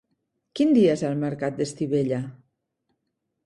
Quin dia és el mercat d'Estivella?